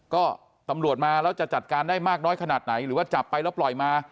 ก็ตำรวจมาแล้วจะจัดการได้มากน้อยขนาดไหนหรือว่าจับไปแล้วปล่อยมา